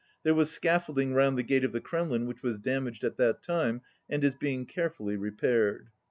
There was scaffolding round the gate of the Kremlin which was damaged at that time and is being carefully repaired.